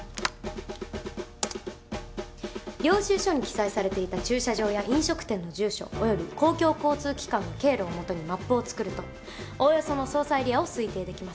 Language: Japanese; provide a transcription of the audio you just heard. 領収書に記載されていた駐車場や飲食店の住所および公共交通機関の経路を基にマップを作るとおおよその捜査エリアを推定できます。